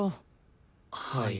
はい。